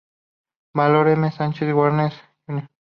Valor, M. Sanchis Guarner, J.ll.